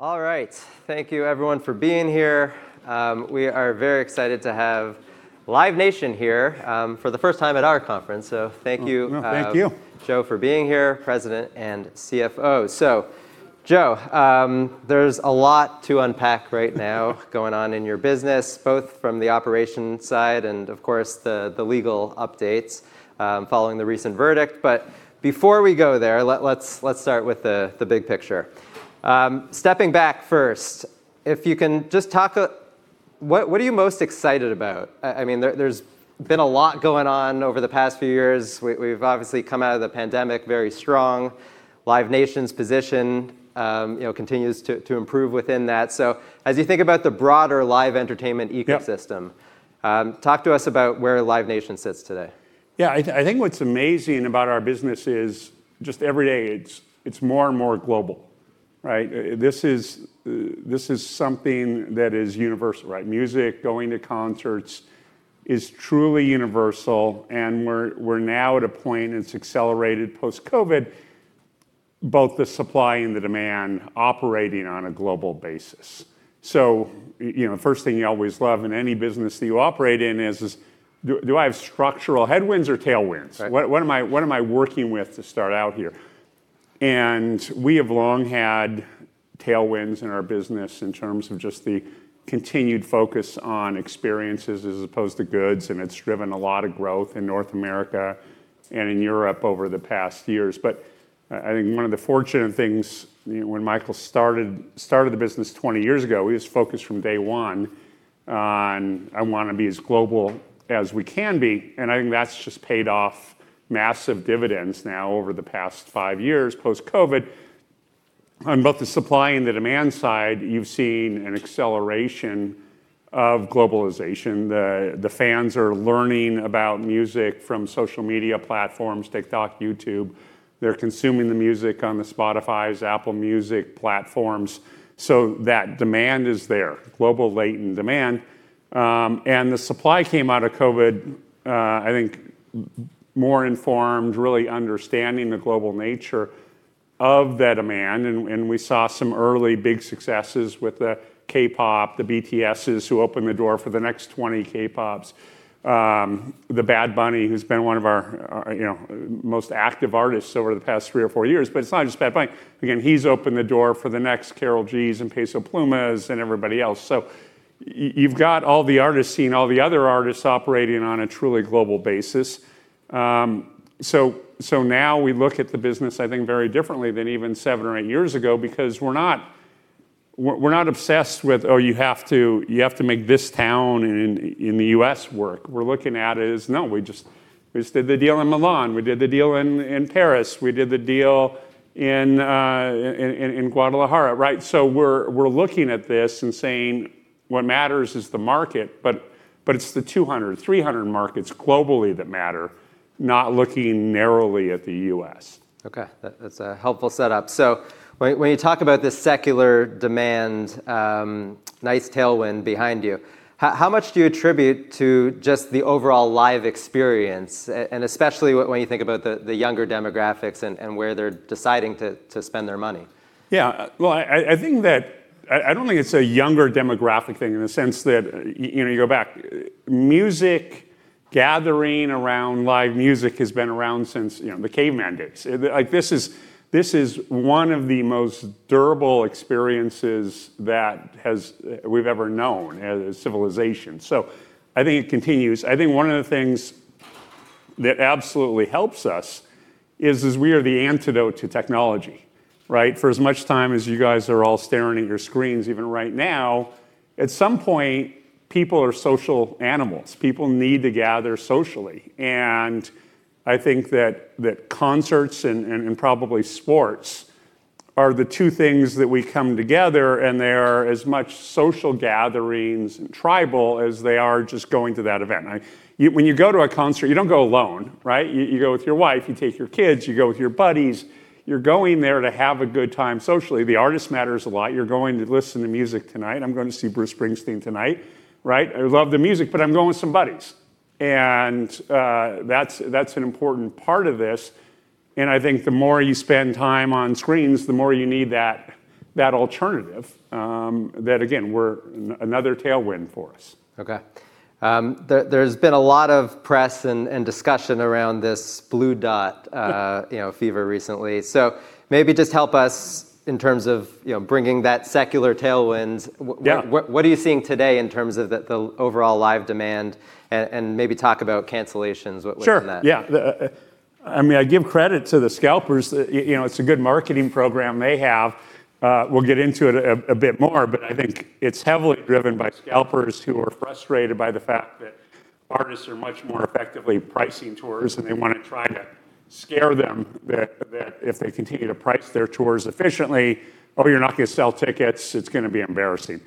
All right. Thank you everyone for being here. We are very excited to have Live Nation here for the first time at our conference. No, thank you. Joe, for being here, President and CFO. Joe, there's a lot to unpack right now- going on in your business, both from the operations side and of course the legal updates, following the recent verdict. Before we go there, let's start with the big picture. Stepping back first, if you can just What are you most excited about? I mean, there's been a lot going on over the past few years. We've obviously come out of the pandemic very strong. Live Nation's position, you know, continues to improve within that. As you think about the broader live entertainment ecosystem. Yeah Talk to us about where Live Nation sits today. I think what's amazing about our business is just every day it's more and more global, right? This is something that is universal, right? Music, going to concerts is truly universal, and we're now at a point it's accelerated post-COVID, both the supply and the demand operating on a global basis. You know, first thing you always love in any business that you operate in is do I have structural headwinds or tailwinds? Right. What am I working with to start out here? We have long had tailwinds in our business in terms of just the continued focus on experiences as opposed to goods, and it's driven a lot of growth in North America and in Europe over the past years. I think one of the fortunate things, you know, when Michael started the business 20 years ago, he was focused from day one on, "I wanna be as global as we can be." I think that's just paid off massive dividends now over the past five years post-COVID. On both the supply and the demand side, you've seen an acceleration of globalization. The fans are learning about music from social media platforms, TikTok, YouTube. They're consuming the music on the Spotify, Apple Music platforms. That demand is there, global latent demand. The supply came out of COVID, I think more informed, really understanding the global nature of that demand. We saw some early big successes with the K-pop, the BTSs who opened the door for the next 20 K-pops. The Bad Bunny, who's been one of our, you know, most active artists over the past three or four years. It's not just Bad Bunny. Again, he's opened the door for the next Karol Gs and Peso Plumas and everybody else. You've got all the artists seeing all the other artists operating on a truly global basis. Now we look at the business, I think, very differently than even seven or eight years ago because we're not, we're not obsessed with, "Oh, you have to make this town in the U.S. work." We're looking at it as, no, we just did the deal in Milan. We did the deal in Paris. We did the deal in Guadalajara, right? We're looking at this and saying, "What matters is the market." But it's the 200, 300 markets globally that matter, not looking narrowly at the U.S. Okay. That's a helpful setup. When you talk about the secular demand, nice tailwind behind you, how much do you attribute to just the overall live experience, and especially when you think about the younger demographics and where they're deciding to spend their money? Yeah. Well, I think that I don't think it's a younger demographic thing in the sense that you know, you go back. Music, gathering around live music has been around since, you know, the caveman days. like, this is one of the most durable experiences that has we've ever known as a civilization. I think it continues. I think one of the things that absolutely helps us is we are the antidote to technology, right? For as much time as you guys are all staring at your screens, even right now, at some point, people are social animals. People need to gather socially. I think that concerts and probably sports are the two things that we come together and they are as much social gatherings and tribal as they are just going to that event. When you go to a concert, you don't go alone, right? You go with your wife, you take your kids, you go with your buddies. You're going there to have a good time socially. The artist matters a lot. You're going to listen to music tonight. I'm going to see Bruce Springsteen tonight, right? I love the music, but I'm going with some buddies. That's an important part of this. I think the more you spend time on screens, the more you need that alternative, that again, another tailwind for us. Okay. There's been a lot of press and discussion around this Blue Dot. Yeah You know, Blue Dot Fever recently. Maybe just help us in terms of, you know, bringing that secular tailwind. Yeah. What are you seeing today in terms of the overall live demand? Maybe talk about cancellations, what's in that? Sure, yeah. I mean, I give credit to the scalpers. You know, it's a good marketing program they have. We'll get into it a bit more, but I think it's heavily driven by scalpers who are frustrated by the fact that artists are much more effectively pricing tours, and they wanna try to scare them that if they continue to price their tours efficiently, "Oh, you're not gonna sell tickets. It's gonna be embarrassing."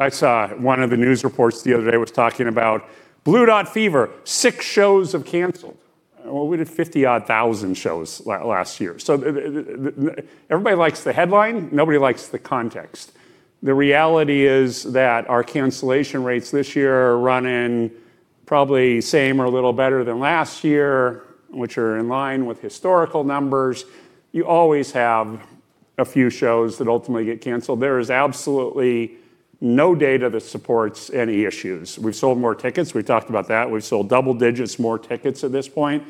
I saw one of the news reports the other day was talking about Blue Dot Fever, six shows have canceled. Well, we did 50,000 shows last year. Everybody likes the headline, nobody likes the context. The reality is that our cancellation rates this year are running, probably same or a little better than last year, which are in line with historical numbers. You always have a few shows that ultimately get canceled. There is absolutely no data that supports any issues. We've sold more tickets. We've talked about that. We've sold double-digits more tickets at this point.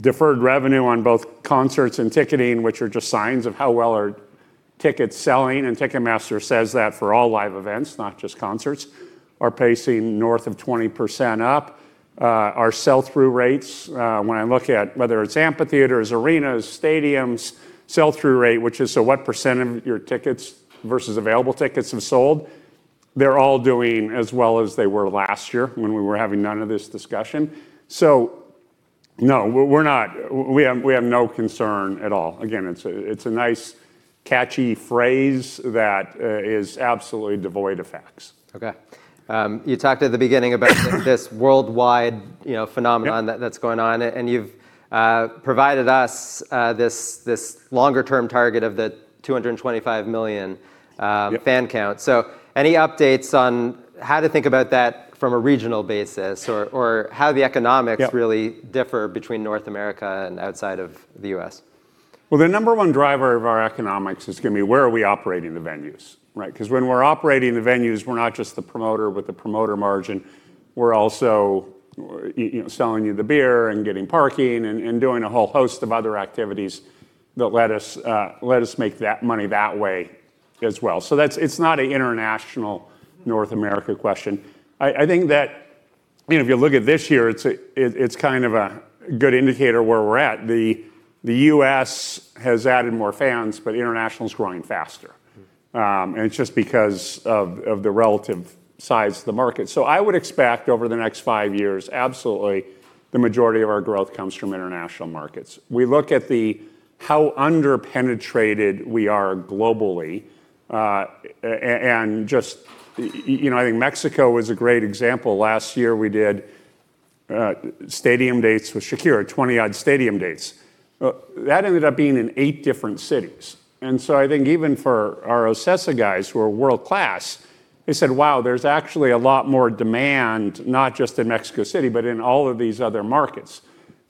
Deferred revenue on both concerts and ticketing, which are just signs of how well our tickets selling, and Ticketmaster says that for all live events, not just concerts, are pacing north of 20% up. Our sell-through rates, when I look at whether it's amphitheaters, arenas, stadiums, sell-through rate, which is so what percent of your tickets versus available tickets have sold, they're all doing as well as they were last year when we were having none of this discussion. No, we have no concern at all. Again, it's a, it's a nice catchy phrase that is absolutely devoid of facts. Okay. You talked at the beginning about this worldwide, you know, phenomenon. Yep That's going on. You've provided us this longer-term target of $225 million. Yep Fan count. Any updates on how to think about that from a regional basis or how the economics-. Yep ...really differ between North America and outside of the U.S.? Well, the number one driver of our economics is going to be where are we operating the venues, right? Because when we're operating the venues, we're not just the promoter with the promoter margin, we're also, you know, selling you the beer and getting parking and doing a whole host of other activities that let us make that money that way as well. It's not a international North America question. I think that, you know, if you look at this year, it's a, it's kind of a good indicator where we're at. The U.S. has added more fans, international's growing faster. It's just because of the relative size of the market. I would expect over the next five years, absolutely the majority of our growth comes from international markets. We look at the how under-penetrated we are globally, and just, you know, I think Mexico was a great example. Last year, we did stadium dates with Shakira, 20-odd stadium dates. That ended up being in eight different cities. I think even for our OCESA guys who are world-class, they said, "Wow, there's actually a lot more demand, not just in Mexico City, but in all of these other markets."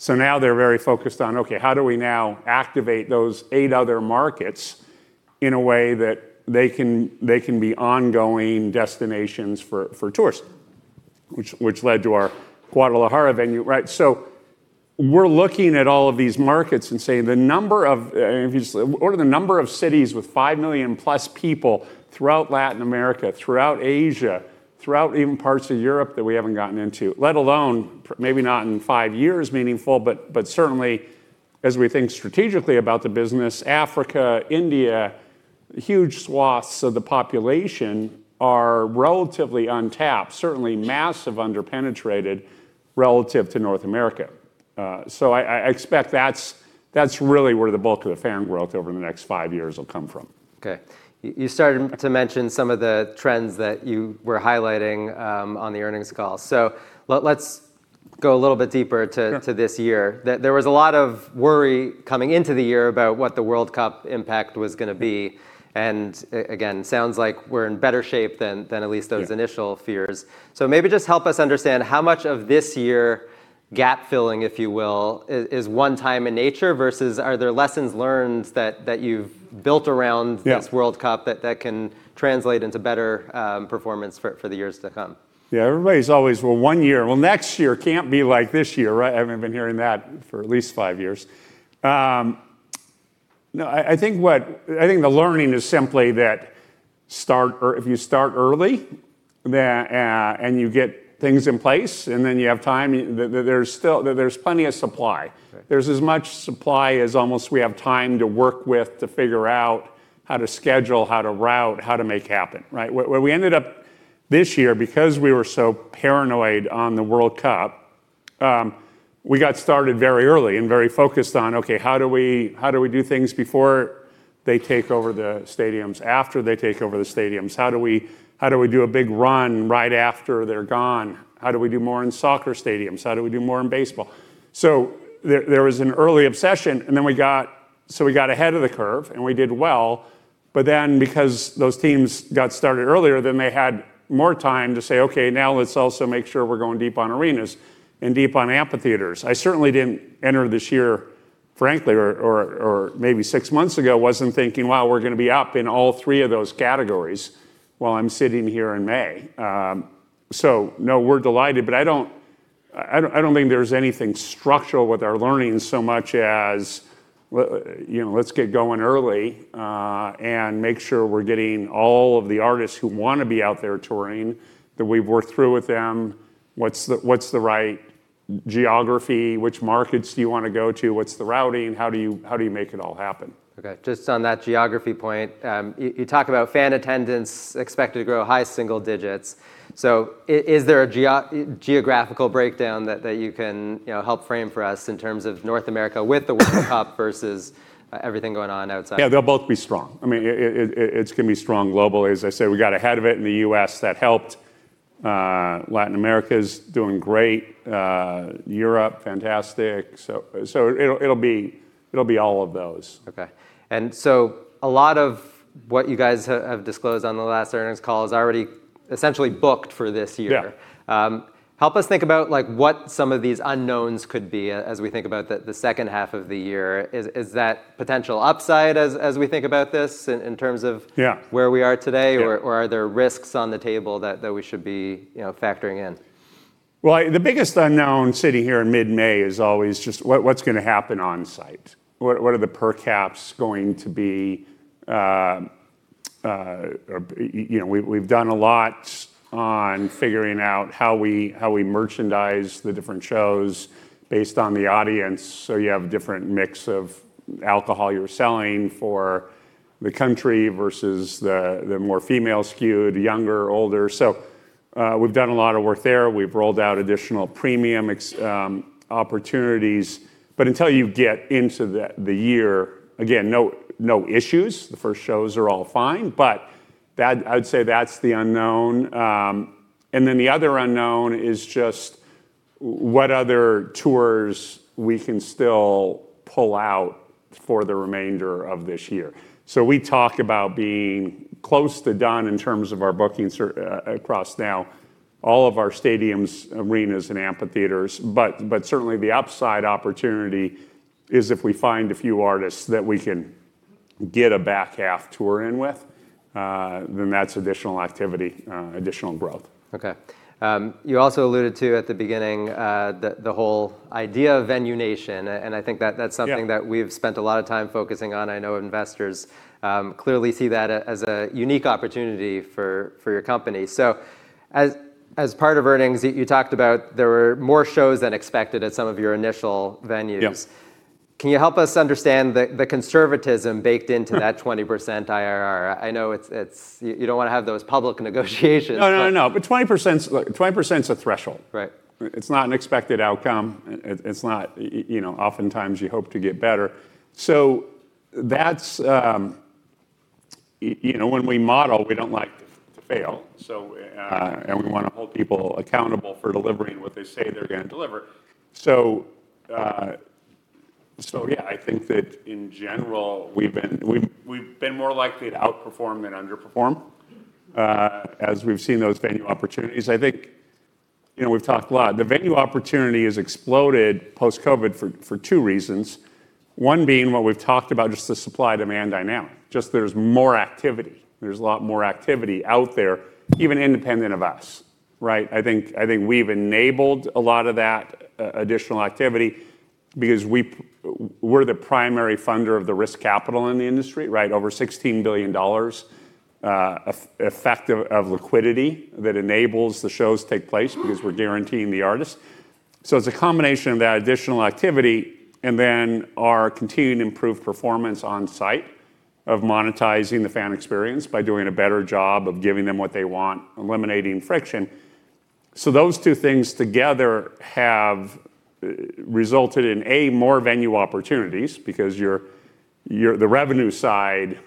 Now they're very focused on, okay, how do we now activate those eight other markets in a way that they can be ongoing destinations for tours? Which led to our Guadalajara venue, right? We're looking at all of these markets and saying what are the number of cities with 5 million+ people throughout Latin America, throughout Asia, throughout even parts of Europe that we haven't gotten into? Let alone, maybe not in five years meaningful, but certainly as we think strategically about the business, Africa, India, huge swaths of the population are relatively untapped, certainly massive under-penetrated relative to North America. I expect that's really where the bulk of the fan growth over the next five years will come from. Okay. You started to mention some of the trends that you were highlighting on the earnings call. Let's go a little bit deeper. Yeah To this year. There was a lot of worry coming into the year about what the World Cup impact was gonna be. Again, sounds like we're in better shape than at least. Yeah ...initial fears. Maybe just help us understand how much of this year gap filling, if you will, is one time in nature versus are there lessons learned that you've built around? Yeah ...this World Cup that can translate into better performance for the years to come? Yeah. Everybody's always, "Well, one year. Well, next year can't be like this year," right? I mean, been hearing that for at least five years. No, I think what I think the learning is simply that if you start early, then and you get things in place, and then you have time, there's still, there's plenty of supply. Right. There's as much supply as almost we have time to work with to figure out how to schedule, how to route, how to make happen, right? Where we ended up this year, because we were so paranoid on the World Cup, we got started very early and very focused on, okay, how do we do things before they take over the stadiums, after they take over the stadiums? How do we do a big run right after they're gone? How do we do more in soccer stadiums? How do we do more in baseball? There was an early obsession, and then we got ahead of the curve, and we did well. Because those teams got started earlier, then they had more time to say, "Okay, now let's also make sure we're going deep on arenas and deep on amphitheaters." I certainly didn't enter this year, frankly, or maybe six months ago, wasn't thinking, "Wow, we're gonna be up in all three of those categories while I'm sitting here in May." No, we're delighted, but I don't think there's anything structural with our learning so much as you know, let's get going early, and make sure we're getting all of the artists who wanna be out there touring, that we've worked through with them what's the right geography, which markets do you wanna go to, what's the routing, how do you make it all happen? Okay. Just on that geography point, you talk about fan attendance expected to grow high single digits. Is there a geographical breakdown that you can, you know, help frame for us in terms of North America with the World Cup versus everything going on outside? Yeah, they'll both be strong. I mean, it's gonna be strong globally. As I said, we got ahead of it in the U.S. That helped. Latin America is doing great. Europe is fantastic. It'll be all of those. Okay. What you guys have disclosed on the last earnings call is already essentially booked for this year. Yeah. Help us think about, like, what some of these unknowns could be as we think about the second half of the year? Yeah Where we are today? Yeah. Are there risks on the table that we should be, you know, factoring in? Well, the biggest unknown sitting here in mid-May is always just what's gonna happen on-site. What are the per caps going to be? You know, we've done a lot on figuring out how we merchandise the different shows based on the audience. You have a different mix of alcohol you're selling for the country versus the more female skewed, younger, older. We've done a lot of work there. We've rolled out additional premium opportunities. Until you get into the year, again, no issues. The first shows are all fine, that I'd say that's the unknown. The other unknown is just what other tours we can still pull out for the remainder of this year. We talk about being close to done in terms of our bookings or, across now all of our stadiums, arenas, and amphitheaters, certainly the upside opportunity is if we find a few artists that we can get a back half tour in with, then that's additional activity, additional growth. Okay. You also alluded to at the beginning, the whole idea of Venue Nation. I think that's something. Yeah That we've spent a lot of time focusing on. I know investors clearly see that as a unique opportunity for your company. As part of earnings, you talked about there were more shows than expected at some of your initial venues. Yeah. Can you help us understand the conservatism baked into that 20% IRR? I know it's You don't wanna have those public negotiations. No, no. 20%'s, look, 20%'s a threshold. Right. It's not an expected outcome. It's not, you know, oftentimes you hope to get better. That's, you know, when we model, we don't like to fail. We wanna hold people accountable for delivering what they say they're gonna deliver. Yeah, I think that in general, we've been more likely to outperform than underperform as we've seen those venue opportunities. I think, you know, we've talked a lot. The venue opportunity has exploded post-COVID for two reasons, one being what we've talked about, just the supply-demand dynamic, just there's more activity. There's a lot more activity out there, even independent of us, right? I think we've enabled a lot of that additional activity because we're the primary funder of the risk capital in the industry, right? Over $16 billion effective of liquidity that enables the shows to take place because we're guaranteeing the artists. It's a combination of that additional activity, and then our continued improved performance on-site of monetizing the fan experience by doing a better job of giving them what they want, eliminating friction. Those two things together have resulted in, A, more venue opportunities because your the revenue side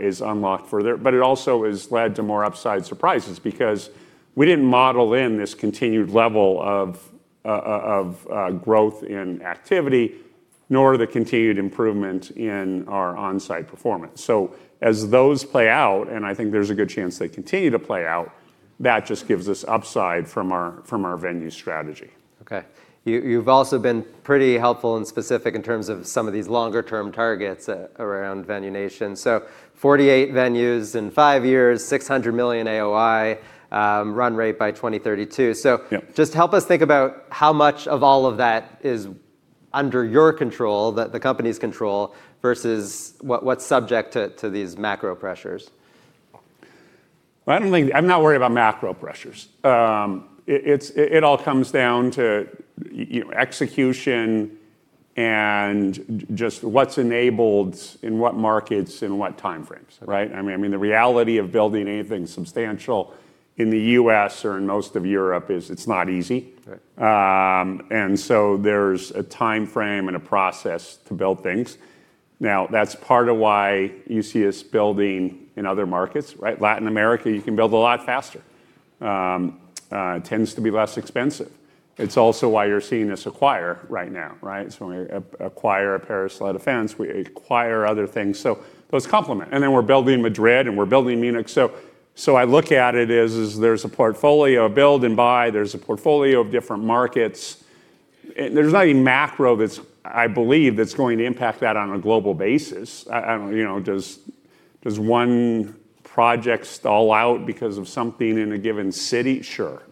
is unlocked for there. It also has led to more upside surprises because we didn't model in this continued level of growth in activity, nor the continued improvement in our on-site performance. As those play out, and I think there's a good chance they continue to play out, that just gives us upside from our venue strategy. Okay. You've also been pretty helpful and specific in terms of some of these longer-term targets around Venue Nation. 48 venues in five years, $600 million AOI run rate by 2032. Yeah. Just help us think about how much of all of that is under your control, the company's control, versus what's subject to these macro pressures. Well, I don't think I'm not worried about macro pressures. It all comes down to you know, execution and just what's enabled in what markets, in what timeframes, right? Okay. I mean, the reality of building anything substantial in the U.S. or in most of Europe is it's not easy. Right. There's a timeframe and a process to build things. Now, that's part of why you see us building in other markets, right? Latin America, you can build a lot faster. It tends to be less expensive. It's also why you're seeing us acquire right now, right? When we acquire a Paris La Défense, we acquire other things. Those complement. We're building Madrid, and we're building Munich. I look at it as there's a portfolio of build and buy, there's a portfolio of different markets. There's nothing macro that's I believe that's going to impact that on a global basis. You know, does one project stall out because of something in a given city? Sure.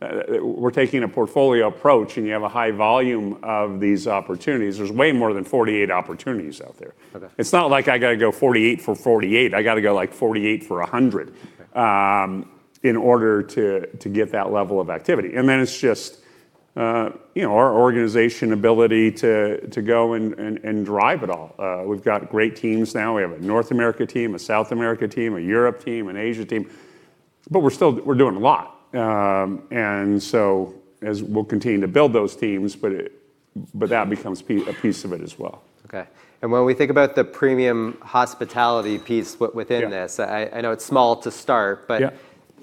We're taking a portfolio approach, and you have a high volume of these opportunities. There's way more than 48 opportunities out there. Okay. It's not like I gotta go 48 for 48. I gotta go, like, 48 for 100. Okay In order to get that level of activity. It's just, you know, our organization ability to go and drive it all. We've got great teams now. We have a North America team, a South America team, a Europe team, an Asia team. We're doing a lot. As we're continuing to build those teams, that becomes a piece of it as well. Okay. When we think about the premium hospitality piece within this. Yeah I know it's small to start. Yeah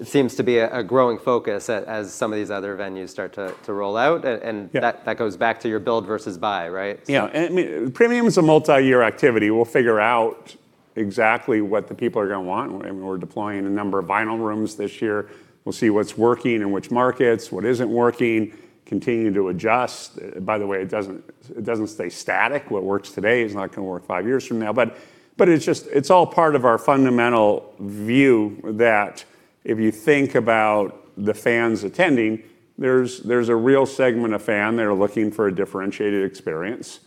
It seems to be a growing focus as some of these other venues start to roll out. Yeah. That goes back to your build versus buy, right? I mean, premium's a multi-year activity. We'll figure out exactly what the people are gonna want. We're deploying a number of Vinyl Room this year. We'll see what's working in which markets, what isn't working, continue to adjust. By the way, it doesn't stay static. What works today is not gonna work five years from now. It's just, it's all part of our fundamental view that if you think about the fans attending, there's a real segment of fan that are looking for a differentiated experience,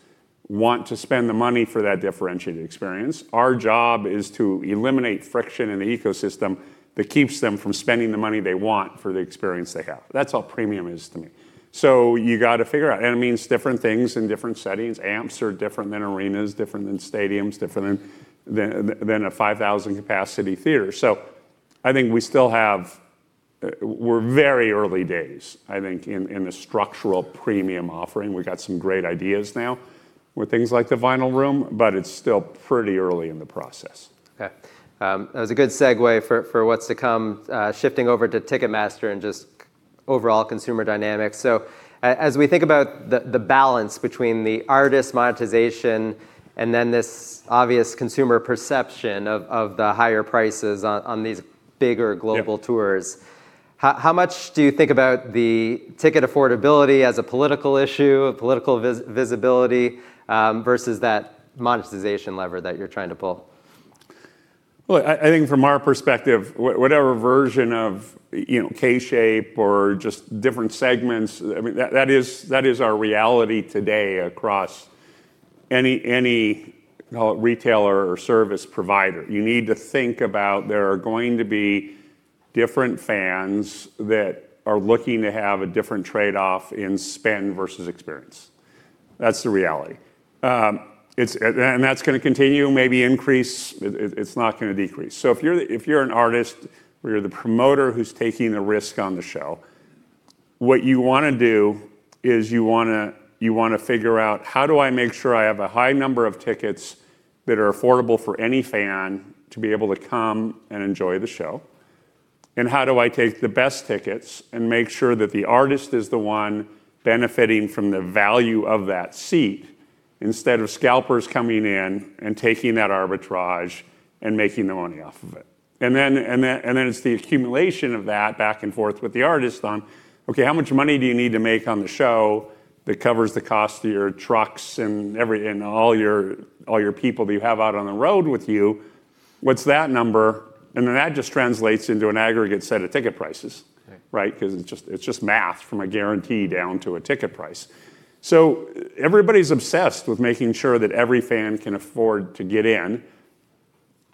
want to spend the money for that differentiated experience. Our job is to eliminate friction in the ecosystem that keeps them from spending the money they want for the experience they have. That's all premium is to me. You gotta figure out, and it means different things in different settings. Amps are different than arenas, different than stadiums, different than a 5,000 capacity theater. I think we still have, we're very early days, I think, in the structural premium offering. We got some great ideas now with things like the Vinyl Room, but it's still pretty early in the process. Okay. That was a good segue for what's to come, shifting over to Ticketmaster and just overall consumer dynamics. As we think about the balance between the artist monetization and then this obvious consumer perception of the higher prices on these bigger global- Yeah ...tours, how much do you think about the ticket affordability as a political issue, a political visibility, versus that monetization lever that you're trying to pull? Well, I think from our perspective, whatever version of, you know, K-shape or just different segments, I mean, that is our reality today across any, call it retailer or service provider. You need to think about there are going to be different fans that are looking to have a different trade-off in spend versus experience. That's the reality. It's, and that's gonna continue, maybe increase. It's not gonna decrease. If you're an artist or you're the promoter who's taking the risk on the show, what you wanna do is you wanna figure out, "How do I make sure I have a high number of tickets that are affordable for any fan to be able to come and enjoy the show? How do I take the best tickets and make sure that the artist is the one benefiting from the value of that seat, instead of scalpers coming in and taking that arbitrage and making the money off of it?" It's the accumulation of that back and forth with the artist on, "Okay, how much money do you need to make on the show that covers the cost of your trucks and all your people that you have out on the road with you? What's that number?" That just translates into an aggregate set of ticket prices. Right. Because it's just math from a guarantee down to a ticket price. Everybody's obsessed with making sure that every fan can afford to get in,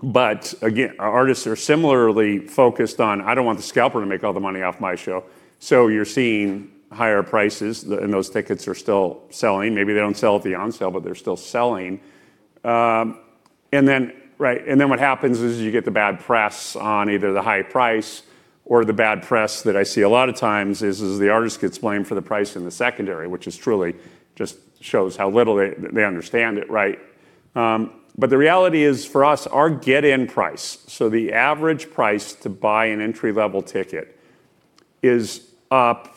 but again, our artists are similarly focused on, "I don't want the scalper to make all the money off my show." You're seeing higher prices and those tickets are still selling. Maybe they don't sell at the on-sale, but they're still selling. Then what happens is you get the bad press on either the high price or the bad press that I see a lot of times is the artist gets blamed for the price in the secondary, which is truly just shows how little they understand it. The reality is for us, our get in price, so the average price to buy an entry-level ticket, is up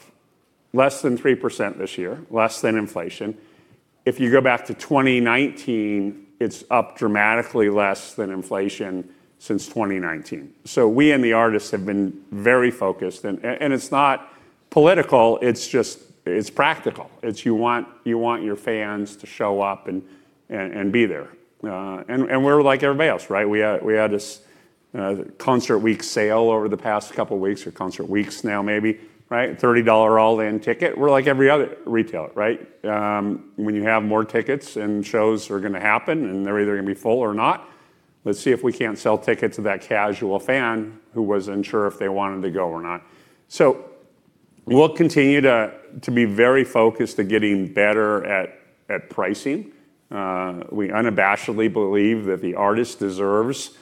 less than 3% this year, less than inflation. If you go back to 2019, it's up dramatically less than inflation since 2019. We and the artists have been very focused and it's not political, it's just, it's practical. It's you want your fans to show up and be there. And we're like everybody else, right? We had this Concert Week sale over the past couple weeks or Concert Weeks now maybe, right? $30 all-in ticket. We're like every other retailer, right? When you have more tickets and shows are gonna happen, and they're either gonna be full or not, let's see if we can't sell tickets to that casual fan who was unsure if they wanted to go or not. We'll continue to be very focused to getting better at pricing. We unabashedly believe that the artist deserves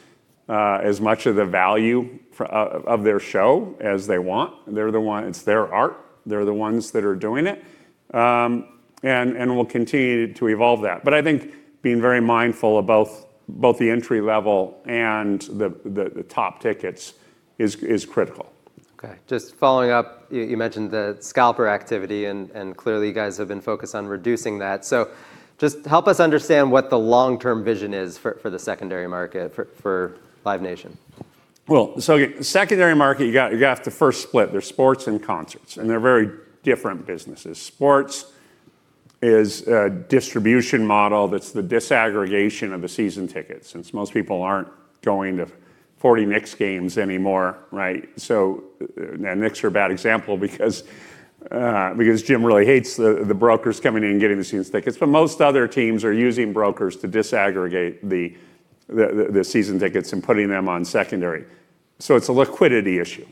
as much of the value for of their show as they want. They're the one It's their art. They're the ones that are doing it. We'll continue to evolve that. I think being very mindful of both the entry level and the top tickets is critical. Okay. Just following up, you mentioned the scalper activity, and clearly you guys have been focused on reducing that. Just help us understand what the long-term vision is for the secondary market for Live Nation. So secondary market, you have to first split. There's sports and concerts, and they're very different businesses. Sports is a distribution model that's the disaggregation of the season tickets, since most people aren't going to 40 Knicks games anymore, right? The Knicks are a bad example because Jim really hates the brokers coming in and getting the season tickets. Most other teams are using brokers to disaggregate the season tickets and putting them on secondary. It's a liquidity issue.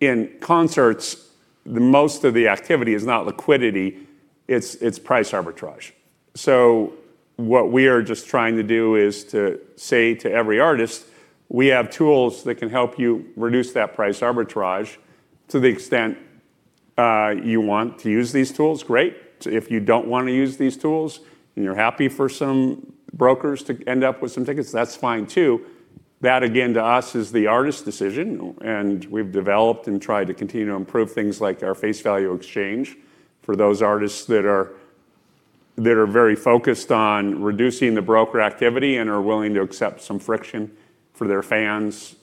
In concerts, most of the activity is not liquidity, it's price arbitrage. What we are just trying to do is to say to every artist, "We have tools that can help you reduce that price arbitrage to the extent you want to use these tools, great. If you don't wanna use these tools and you're happy for some brokers to end up with some tickets, that's fine too. That again, to us, is the artist's decision. We've developed and tried to continue to improve things like our Face Value Exchange for those artists that are very focused on reducing the broker activity and are willing to accept some friction for their fans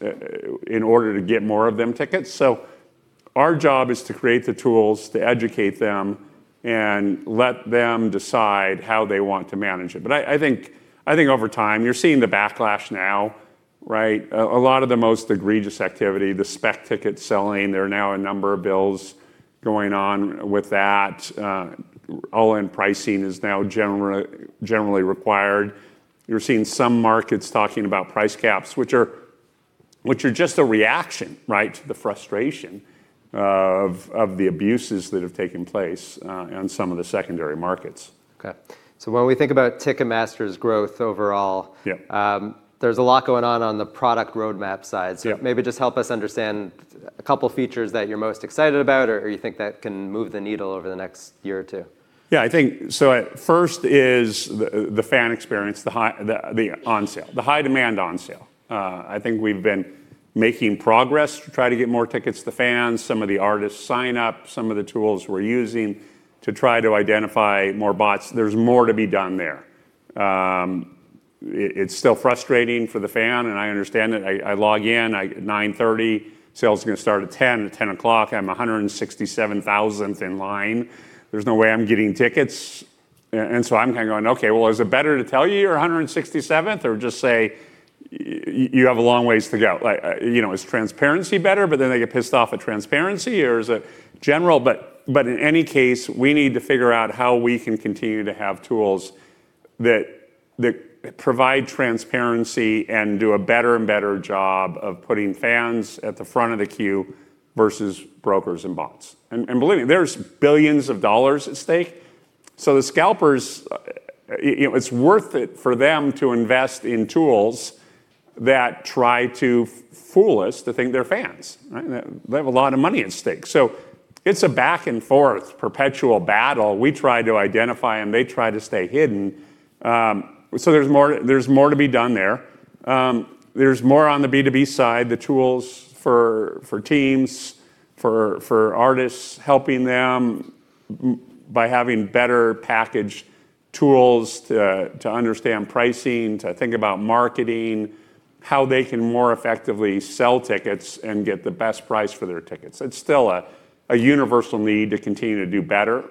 in order to get more of them tickets. Our job is to create the tools to educate them and let them decide how they want to manage it. I think over time you're seeing the backlash now, right? A lot of the most egregious activity, the spec ticket selling, there are now a number of bills going on with that. All-in pricing is now generally required. You're seeing some markets talking about price caps, which are just a reaction, right, to the frustration of the abuses that have taken place on some of the secondary markets. Okay. When we think about Ticketmaster's growth overall. Yeah There's a lot going on on the product roadmap side. Yeah. Maybe just help us understand a couple features that you're most excited about or you think that can move the needle over the next year or two. First is the fan experience, the on-sale, the high-demand on sale. We've been making progress to try to get more tickets to fans. Some of the artists sign up, some of the tools we're using to try to identify more bots. There's more to be done there. It's still frustrating for the fan, I understand it. I log in, 9:30 A.M., sale's gonna start at 10:00 A.M. At 10:00 A.M., I'm 167,000th in line. There's no way I'm getting tickets. I'm kind of going, "Okay, well, is it better to tell you you're 167th or just say you have a long ways to go?" Like, you know, is transparency better, they get pissed off at transparency? Is it general. In any case, we need to figure out how we can continue to have tools that provide transparency and do a better and better job of putting fans at the front of the queue versus brokers and bots. Believe me, there's billions of dollars at stake. The scalpers, you know, it's worth it for them to invest in tools that try to fool us to think they're fans, right? They have a lot of money at stake. It's a back-and-forth perpetual battle. We try to identify them, they try to stay hidden. There's more to be done there. There's more on the B2B side, the tools for teams, for artists, helping them by having better packaged tools to understand pricing, think about marketing, how they can more effectively sell tickets and get the best price for their tickets. It's still a universal need to continue to do better,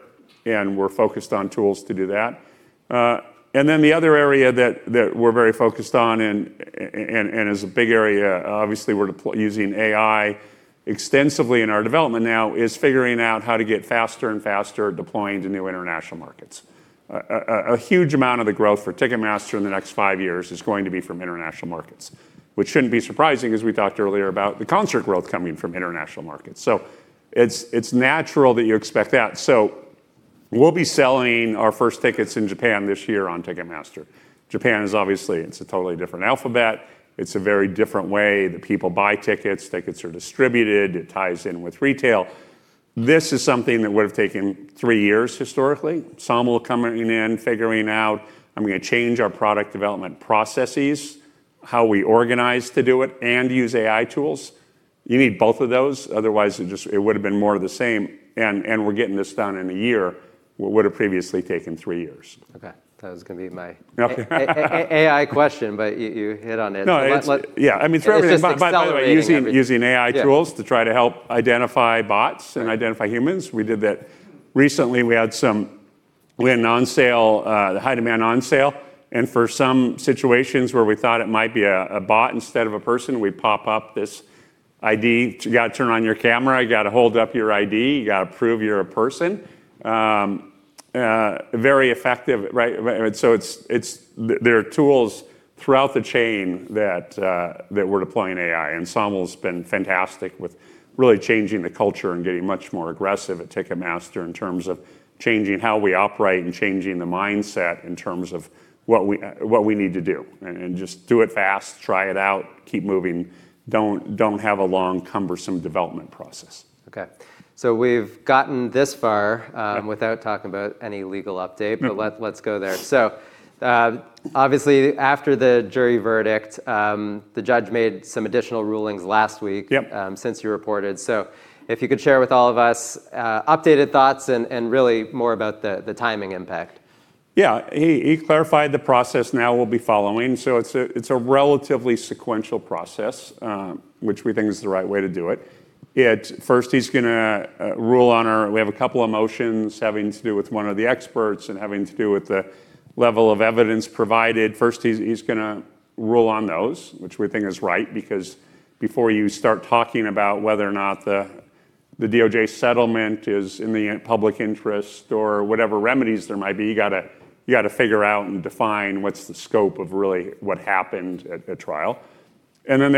we're focused on tools to do that. The other area that we're very focused on and is a big area, obviously we're using AI extensively in our development now, is figuring out how to get faster and faster at deploying to new international markets. A huge amount of the growth for Ticketmaster in the next five years is going to be from international markets, which shouldn't be surprising, as we talked earlier about the concert growth coming from international markets. It's natural that you expect that. We'll be selling our first tickets in Japan this year on Ticketmaster. Japan is obviously, it's a totally different alphabet. It's a very different way that people buy tickets are distributed, it ties in with retail. This is something that would've taken three years historically. Sam will come in, figuring out, "I'm gonna change our product development processes, how we organize to do it, and use AI tools." You need both of those, otherwise it just, it would've been more of the same. We're getting this done in a year, what would've previously taken three years. Okay. Okay. AI question, but you hit on it. No. But let- Yeah. I mean, for everything. It's just accelerating everything. by the way, using AI tools. Yeah to try to help identify bots and identify humans. We did that recently. We had some, we had an on sale, the high-demand on sale, and for some situations where we thought it might be a bot instead of a person, we pop up this ID. You gotta turn on your camera, you gotta hold up your ID, you gotta prove you're a person. Very effective, right? So it's, there are tools throughout the chain that we're deploying AI. Sam has been fantastic with really changing the culture and getting much more aggressive at Ticketmaster in terms of changing how we operate and changing the mindset in terms of what we, what we need to do. Just do it fast, try it out, keep moving, don't have a long, cumbersome development process. Okay. We've gotten this far. Yeah Without talking about any legal update. No. Let's go there. Obviously after the jury verdict, the judge made some additional rulings last week. Yep Since you reported, if you could share with all of us updated thoughts and really more about the timing impact. Yeah. He clarified the process now we'll be following. It's a relatively sequential process, which we think is the right way to do it. First, he's gonna rule on our we have a couple of motions having to do with one of the experts and the level of evidence provided. First, he's gonna rule on those, which we think is right. Before you start talking about whether or not the DOJ settlement is in the public interest or whatever remedies there might be, you gotta figure out and define what's the scope of really what happened at trial. Then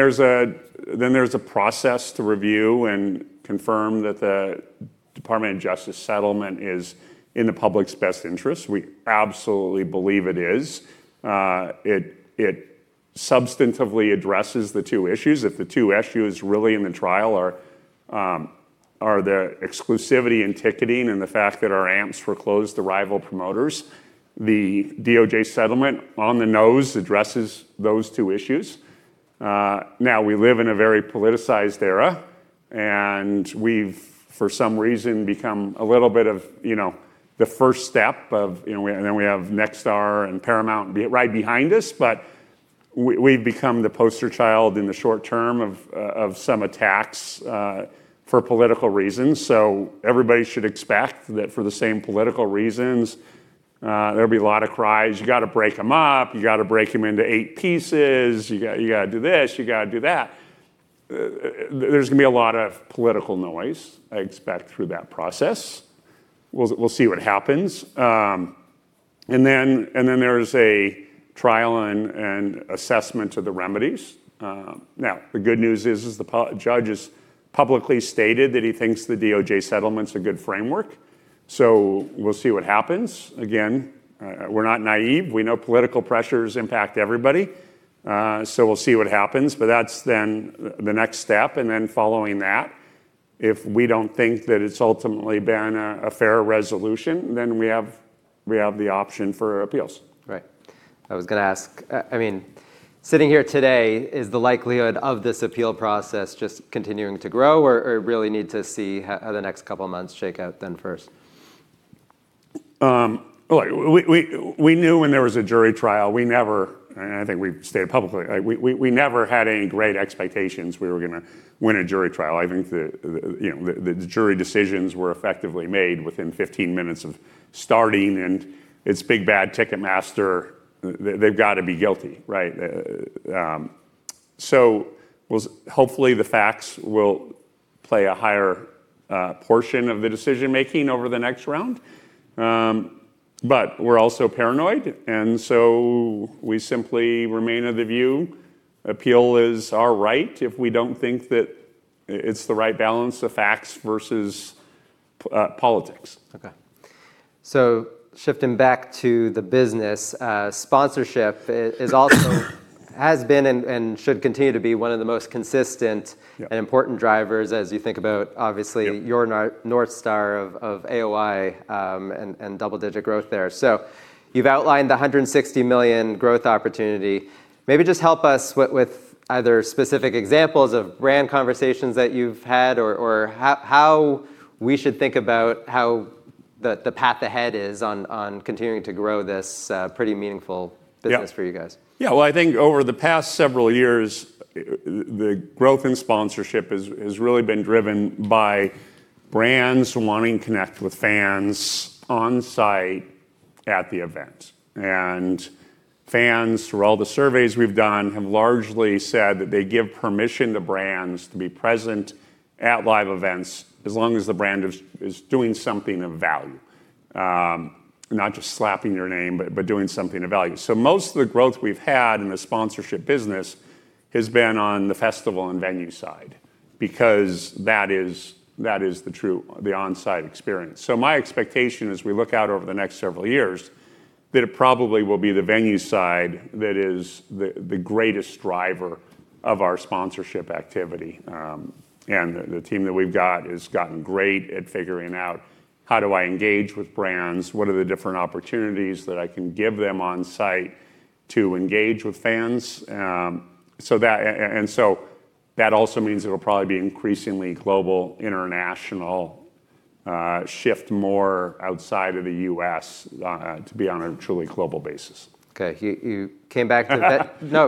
there's a process to review and confirm that the Department of Justice settlement is in the public's best interest. We absolutely believe it is. It substantively addresses the two issues. If the two issues really in the trial are the exclusivity in ticketing and the fact that our acts foreclosed the rival promoters. The DOJ settlement, on the nose, addresses those two issues. Now we live in a very politicized era, we've for some reason become a little bit of, you know, we have Nexstar and Paramount be right behind us. We've become the poster child in the short-term of some attacks for political reasons. Everybody should expect that for the same political reasons, there'll be a lot of cries, "You gotta break them up. You gotta break them into eight pieces. You gotta do this. You gotta do that." There's gonna be a lot of political noise, I expect, through that process. We'll see what happens. Then there's a trial and assessment of the remedies. Now, the good news is, the judge has publicly stated that he thinks the DOJ settlement's a good framework. We'll see what happens. Again, we're not naive. We know political pressures impact everybody. We'll see what happens. That's then the next step. Then following that, if we don't think that it's ultimately been a fair resolution, then we have the option for appeals. Right. I was gonna ask, I mean, sitting here today, is the likelihood of this appeal process just continuing to grow or really need to see how the next couple of months shake out then first? Look, we knew when there was a jury trial, we never I think we've stated publicly, we never had any great expectations we were gonna win a jury trial. I think the, you know, the jury decisions were effectively made within 15 minutes of starting. It's big, bad Ticketmaster. They've got to be guilty, right. We'll Hopefully, the facts will play a higher portion of the decision-making over the next round. We're also paranoid, we simply remain of the view appeal is our right if we don't think that it's the right balance of facts versus politics. Okay. Shifting back to the business, sponsorship has been and should continue to be one of the most consistent important drivers as you think about your North Star of AOI and double-digit growth there. You've outlined $160 million growth opportunity. Maybe just help us with either specific examples of brand conversations that you've had or how we should think about how the path ahead is on continuing to grow this pretty meaningful business. Yeah For you guys. Yeah. Well, I think over the past several years, the growth in sponsorship has really been driven by brands wanting to connect with fans on-site at the event. Fans, through all the surveys we've done, have largely said that they give permission to brands to be present at live events as long as the brand is doing something of value. Not just slapping your name, but doing something of value. Most of the growth we've had in the sponsorship business has been on the festival and venue side because that is the true, the on-site experience. My expectation as we look out over the next several years, that it probably will be the venue side that is the greatest driver of our sponsorship activity. The team that we've got has gotten great at figuring out, how do I engage with brands? What are the different opportunities that I can give them on-site to engage with fans? That also means it'll probably be increasingly global, international, shift more outside of the U.S., to be on a truly global basis. Okay. You came back to,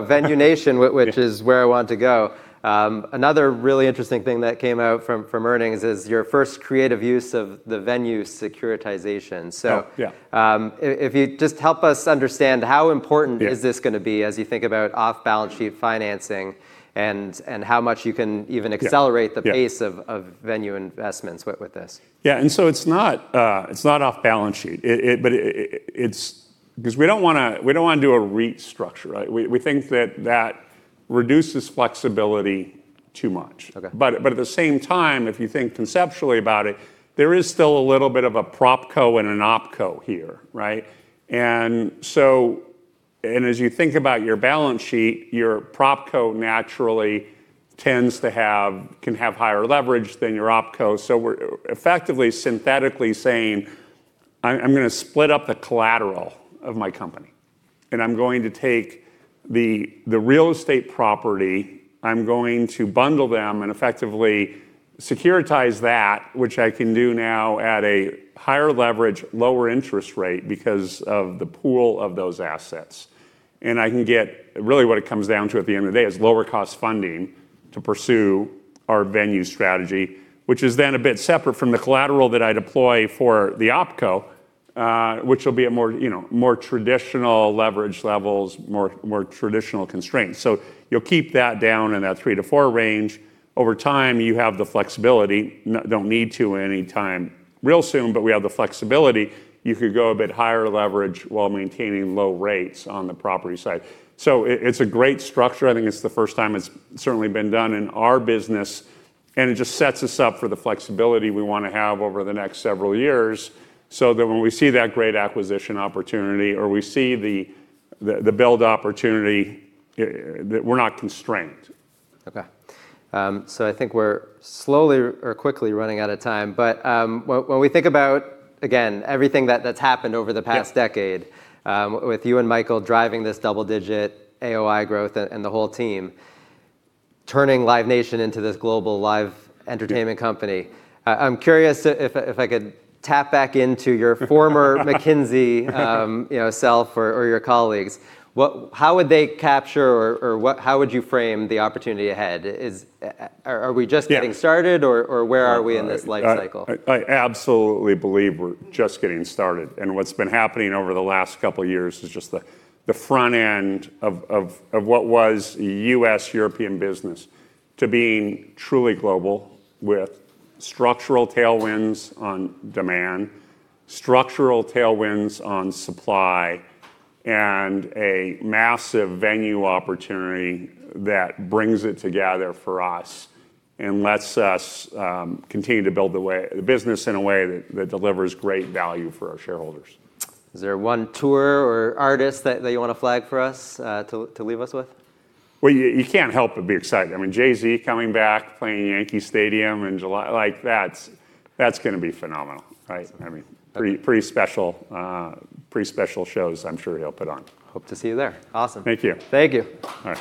Venue Nation. Yeah Which is where I wanted to go. Another really interesting thing that came out from earnings is your first creative use of the venue securitization. Oh, yeah If you just help us understand how important- Yeah is this gonna be as you think about off-balance sheet financing and how much you can even accelerate Yeah, yeah ...the pace of venue investments with this. Yeah. It's not off-balance sheet. But it's because we don't wanna do a REIT structure, right? We think that that reduces flexibility too much. Okay. at the same time, if you think conceptually about it, there is still a little bit of a PropCo and an OpCo here, right? as you think about your balance sheet, your PropCo naturally tends to have, can have higher leverage than your OpCo. we're effectively synthetically saying, "I'm gonna split up the collateral of my company, and I'm going to take the real estate property. I'm going to bundle them and effectively securitize that, which I can do now at a higher leverage, lower interest rate because of the pool of those assets." I can get really what it comes down to at the end of the day is lower cost funding to pursue our venue strategy, which is then a bit separate from the collateral that I deploy for the OpCo, which will be a more, you know, traditional leverage levels, more traditional constraints. You'll keep that down in that three to four range. Over time, you have the flexibility. Don't need to anytime real soon, but we have the flexibility. You could go a bit higher leverage while maintaining low rates on the property side. It's a great structure. I think it's the first time it's certainly been done in our business, and it just sets us up for the flexibility we wanna have over the next several years, so that when we see that great acquisition opportunity or we see the build opportunity, that we're not constrained. Okay. I think we're slowly or quickly running out of time. When we think about, again, everything that's happened over the past decade. Yeah With you and Michael driving this double-digit AOI growth and the whole team turning Live Nation into this global live entertainment company. Yeah. I'm curious if I could tap back into your former McKinsey, you know, self or your colleagues. How would they capture or how would you frame the opportunity ahead? Are we just getting started? Yeah Where are we in this life cycle? I absolutely believe we're just getting started, and what's been happening over the last couple of years is just the front end of what was a U.S.-European business to being truly global with structural tailwinds on demand, structural tailwinds on supply, and a massive venue opportunity that brings it together for us and lets us continue to build the business in a way that delivers great value for our shareholders. Is there one tour or artist that you wanna flag for us, to leave us with? Well, you can't help but be excited. I mean, Jay-Z coming back playing Yankee Stadium in July, like that's gonna be phenomenal, right? That's amazing. I mean, pretty special, pretty special shows I'm sure he'll put on. Hope to see you there. Awesome. Thank you. Thank you. Bye.